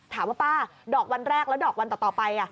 ป้าดอกวันแรกแล้วดอกวันต่อไป